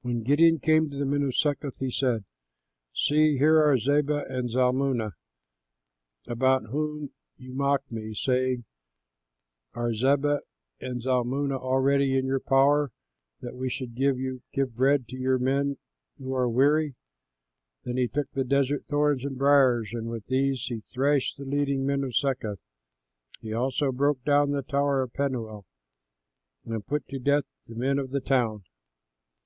When Gideon came to the men of Succoth, he said, "See, here are Zebah and Zalmunna about whom you mocked me, saying, 'Are Zebah and Zalmunna already in your power that we should give bread to your men who are weary?'" Then he took desert thorns and briers, and with these he thrashed the leading men of Succoth. He also broke down the tower of Penuel and put to death the men of the town.